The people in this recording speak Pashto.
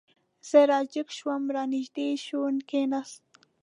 زه را جګ شوم، را نږدې شو، کېناست.